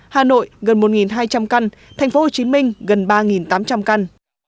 hà nội gần một hai trăm linh căn thành phố hồ chí minh gần ba tám trăm linh căn